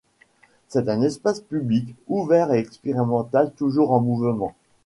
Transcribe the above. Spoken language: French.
C'est un espace public, ouvert et expérimental, toujours en mouvement.